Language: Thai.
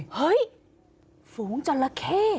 เฮ้ยฝูงจราเข้